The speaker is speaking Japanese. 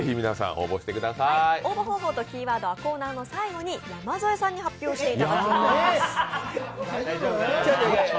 応募方法とキーワードはコーナーの最後に山添さんに発表してもらいます。